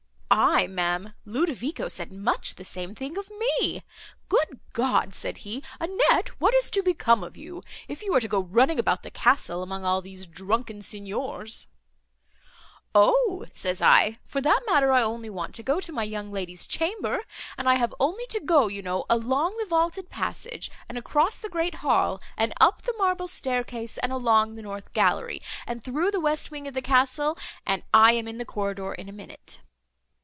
"Aye, ma'am, Ludovico said much the same thing of me. 'Good God!' said he, 'Annette, what is to become of you, if you are to go running about the castle among all these drunken Signors?' "'O!' says I, 'for that matter, I only want to go to my young lady's chamber, and I have only to go, you know, along the vaulted passage and across the great hall and up the marble staircase and along the north gallery and through the west wing of the castle and I am in the corridor in a minute.